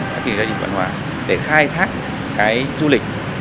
các cái ghiền giữ văn hóa để khai thác cái du lịch